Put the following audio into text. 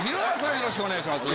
よろしくお願いします。